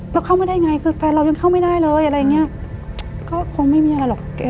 เราเข้ามาได้ไงคือแฟนเรายังเข้าไม่ได้เลยอะไรอย่างนี้ก็คงไม่มีอะไรหรอก